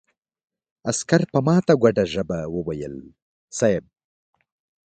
عسکر په ماته ګوډه ژبه وويل: صېب!